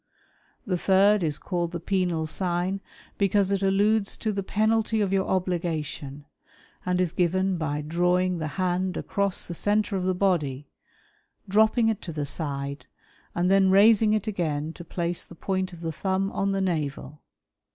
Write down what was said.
The third is called the penal sign, because it alludes "■ to the penalty of your obligation, and is given by drawing the *' hand across the centre of the body, dropping it to the side, " and then raising it again to place the point of the thumb on " the navel.